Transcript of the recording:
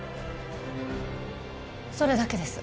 それだけです。